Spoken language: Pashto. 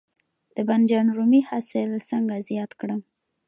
د بانجان رومي حاصل څنګه زیات کړم؟